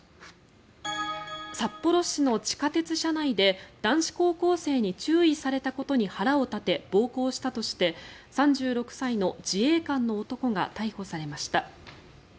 札幌市の地下鉄車内で男子高校生に注意されたことに腹を立て暴行したとして３６歳の自衛官の男が逮捕されました。